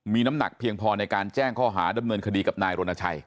มีน้ำหนักเพียงพอในการแจ้งข้อหาดำเนินคดีกับนายรณชัย